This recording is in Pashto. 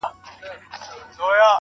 خدايه ته لوی يې.